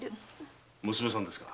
娘さんですか？